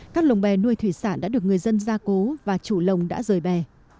các lồng bè nuôi thủy sản đã được người dân gia cố và chủ lồng đã rời bè